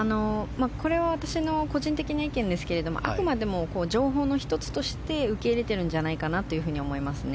私の個人的な意見ですけどあくまでも情報の１つとして受け入れているんじゃないかなと思いますね。